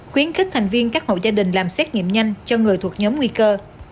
khuyến kích thành viên các hậu gia đình làm xét nghiệm nhanh cho người thuộc nhóm nguy cơ